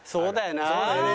そうだよな。